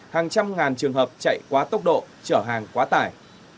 hàng trăm ngàn trường hợp chạy quá tốc độ trở hàng quá tải